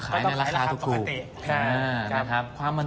๕ปี๑๐ปี๑๕ปีถ้าหมดแล้วก็หมดเลย